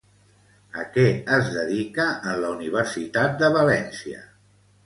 A què es dedica en la Universitat de València?